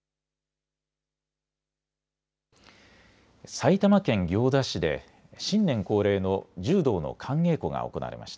埼玉県行田市で新年恒例の柔道の寒稽古が行われました。